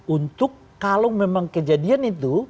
untuk kalau memang kejadian itu